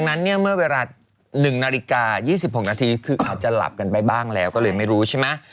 นั้นเนี่ยเมื่อเวลา๑นาฬิกา๒๖นาทีคืออาจจะหลับกันไปบ้างแล้วก็เลยไม่รู้ใช่ไหม